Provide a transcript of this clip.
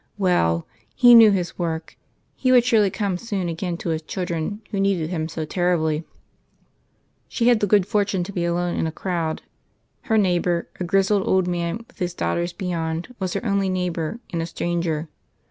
Well; He knew His work. He would surely come soon again to His children who needed Him so terribly. She had the good fortune to be alone in a crowd. Her neighbour, a grizzled old man with his daughters beyond, was her only neighbour, and a stranger.